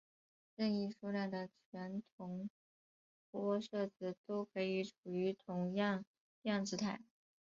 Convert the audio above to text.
任意数量的全同玻色子都可以处于同样量子态。